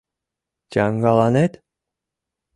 Чаҥгаланет?